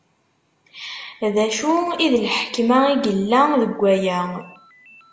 D acu n lḥekma i yella deg waya?